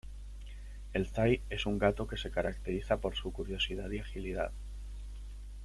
El thai es un gato que se caracteriza por su curiosidad y agilidad.